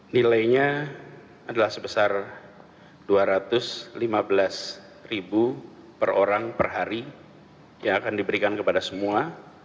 nilainya adalah sebesar dua ratus lima belas ribu per orang per hari yang akan diberikan kepada semua